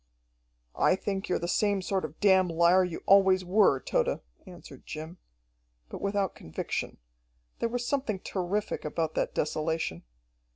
"I think you're the same sort of damn liar you always were, Tode," answered Jim but without conviction. There was something terrific about that desolation.